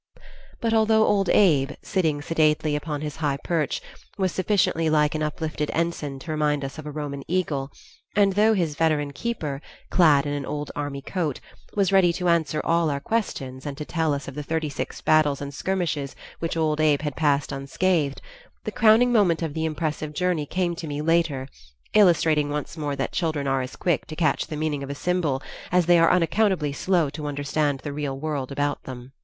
But although Old Abe, sitting sedately upon his high perch, was sufficiently like an uplifted ensign to remind us of a Roman eagle, and although his veteran keeper, clad in an old army coat, was ready to answer all our questions and to tell us of the thirty six battles and skirmishes which Old Abe had passed unscathed, the crowning moment of the impressive journey came to me later, illustrating once more that children are as quick to catch the meaning of a symbol as they are unaccountably slow to understand the real world about them.